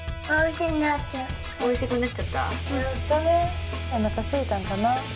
お腹すいたんかな？